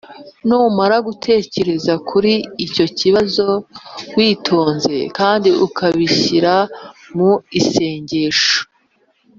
Numara gutekereza kuri icyo kibazo witonze kandi ukabishyira mu isengesho